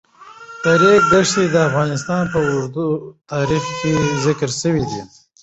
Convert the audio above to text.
د ریګ دښتې د افغانستان په اوږده تاریخ کې ذکر شوی دی.